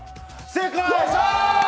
正解！